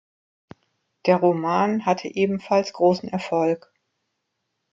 Der Roman hatte ebenfalls großen Erfolg.